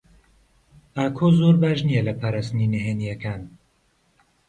ئاکۆ زۆر باش نییە لە پاراستنی نهێنییەکان.